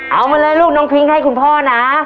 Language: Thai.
เอามาเลยลูกน้องพิ้งให้คุณพ่อนะ